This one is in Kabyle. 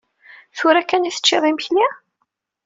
Tura kan i teččiḍ imekli?